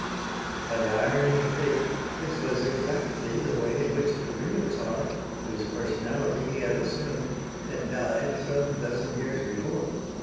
By the irony of Fate this was exactly the way in which the real Czar, whose personality he had assumed, had died some dozen years before.